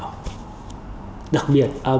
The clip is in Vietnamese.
đặc biệt là chúng ta đã đạt được những cái kết quả